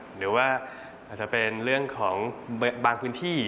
หรือว่าอาจจะเป็นเรื่องของบางพื้นที่